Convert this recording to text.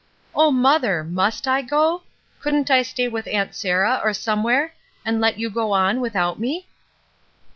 "0 mother, must I go? Couldn^t I stay with Aunt Sarah or somewhere and let you go on, without me?''